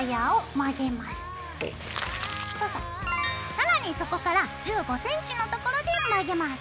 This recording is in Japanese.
更にそこから１５センチのところで曲げます。